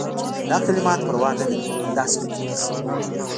دا کلمات پروا نه لري همداسې ولیکل شي.